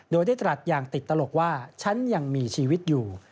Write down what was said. โดยได้ตรัสอย่างติดตลกว่าฉันยังมีชีวิตอยู่